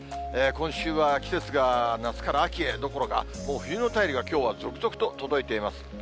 今週は季節が夏から秋へどころか、もう冬の便りがきょうは続々と届いています。